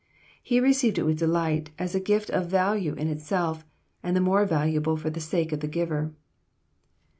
He received it with delight, as a gift of value in itself, and the more valuable for the sake of the giver.